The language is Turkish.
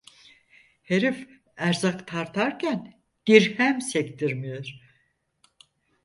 Herif erzak tartarken dirhem sektirmiyor.